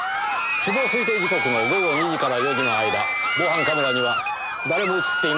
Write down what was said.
死亡推定時刻の午後２時から４時の間防犯カメラには誰も映っていませんでした。